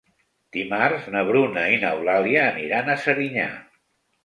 Dimarts na Bruna i n'Eulàlia aniran a Serinyà.